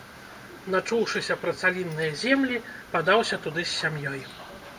Начуўшыся пра цалінныя землі, падаўся туды з сям'ёй.